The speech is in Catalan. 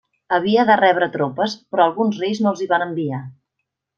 Havia de rebre tropes però alguns reis no els hi van enviar.